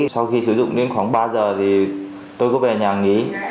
sau khi sử dụng đến khoảng ba giờ thì tôi có về nhà nhí